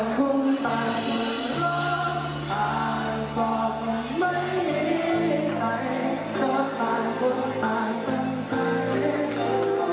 และรักแกร่งรักหรือเบาคุณก็กลัวแบบว่า